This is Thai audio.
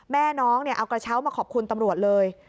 แม่น้องเอากระเช้ามาขอบคุณตำรวจเลย